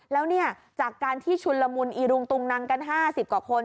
แล้วเนี่ยจากการที่ชุนละมุนอีรุงตุงนังกัน๕๐กว่าคน